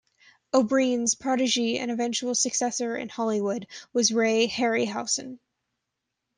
O'Brien's protege and eventual successor in Hollywood was Ray Harryhausen.